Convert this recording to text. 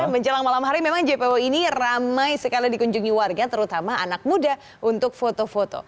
menjelang malam hari memang jpo ini ramai sekali dikunjungi warga terutama anak muda untuk foto foto